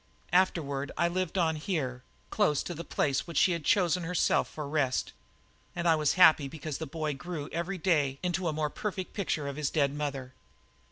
Afterward I lived on here, close to the place which she had chosen herself for rest. And I was happy because the boy grew every day into a more perfect picture of his dead mother.